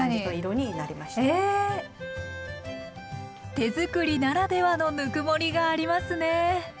手作りならではのぬくもりがありますね。